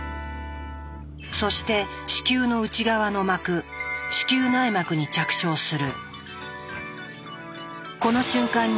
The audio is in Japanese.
そして子宮の内側の膜子宮内膜に着床する。